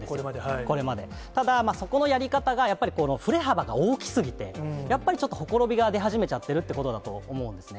これまで、ただそこのやり方がやっぱり振れ幅が大きすぎて、やっぱりちょっと、ほころびが出始めちゃってるということだと思うんですね。